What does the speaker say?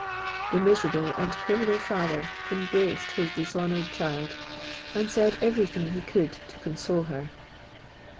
The miserable and criminal father embraced his dishonoured child, and said every thing he could to console her.